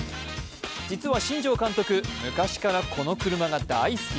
実は新庄監督、昔からこの車が大好き。